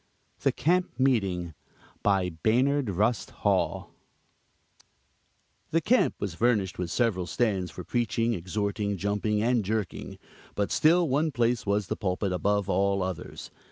THE CAMP MEETING BY BAYNARD RUST HALL The camp was furnished with several stands for preaching, exhorting, jumping and jerking; but still one place was the pulpit, above all others.